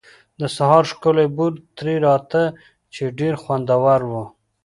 د سهار ښکلی بوی ترې راته، چې ډېر خوندور و.